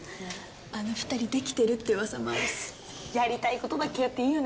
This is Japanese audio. あの２人できてるってうわさもあるしやりたいことだけやっていいよね